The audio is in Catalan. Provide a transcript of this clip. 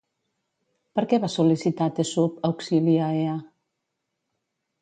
Per què va sol·licitar Tessub auxili a Ea?